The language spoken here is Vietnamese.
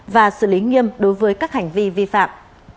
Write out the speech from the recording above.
và xử lý nghiêm đối với các hành vi vi phạm